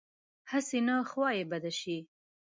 هسې نه خوا یې بده شي.